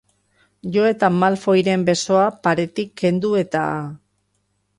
Jo eta Malfoyren besoa paretik kendu eta...